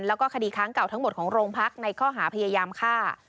แล้วก็คดีค้างเก่าทั้งหมดของโรงพักในข้อหาพยายามฆ่า